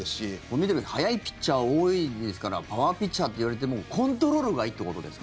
見てみると速いピッチャー多いですからパワーピッチャーといわれてもコントロールがいいってことですか？